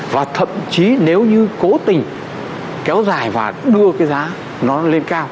và thậm chí nếu như cố tình kéo dài và đưa cái giá nó lên cao